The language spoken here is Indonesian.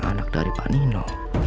anak dari pak nino